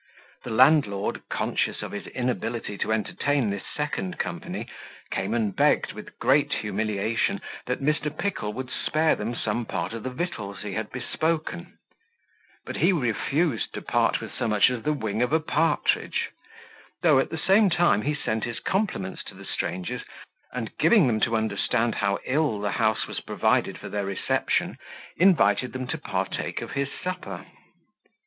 The landlord, conscious of his inability to entertain this second company, came and begged with great humiliation that Mr. Pickle would spare them some part of the victuals he had bespoken; but he refused to part with so much as the wing of a partridge, though at the same time he sent his compliments to the strangers, and giving them to understand how ill the house was provided for their reception, invited them to partake of his supper.